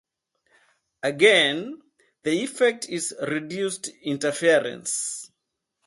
Again, the effect is reduced interference.